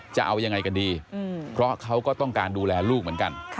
จะเอายังไงกันดีเพราะเขาก็ต้องการดูแลลูกเหมือนกัน